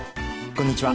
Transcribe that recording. こんにちは。